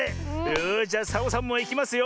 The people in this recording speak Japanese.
よしじゃサボさんもいきますよ。